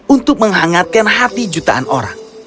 untuk menghangatkan hati jutaan orang